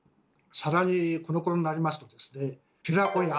更にこのころになりますとですね「寺子屋」